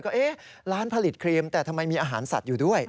ก็เอ๊ะร้านผลิตครีมแต่ทำไมมีอาหารสัตว์อยู่ด้วย